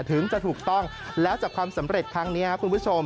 ถึงจะถูกต้องแล้วจากความสำเร็จครั้งนี้ครับคุณผู้ชม